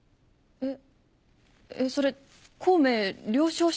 えっ？